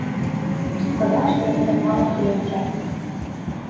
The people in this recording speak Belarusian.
Шкада, што яны так мала прыязджаюць.